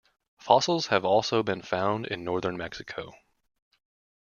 Fossils have also been found in northern Mexico.